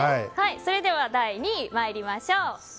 それでは第２位参りましょう。